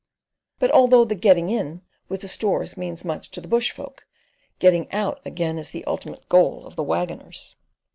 But although the "getting in", with the stores means much to the "bush folk," getting out again is the ultimate goal of the waggoners.